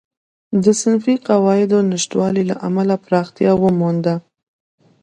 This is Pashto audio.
د صنفي قواعدو نشتوالي له امله پراختیا ومونده.